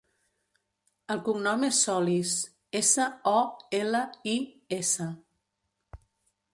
El cognom és Solis: essa, o, ela, i, essa.